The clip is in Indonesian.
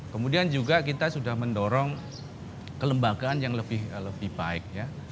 kemudian juga kita sudah mendorong kelembagaan yang lebih baik ya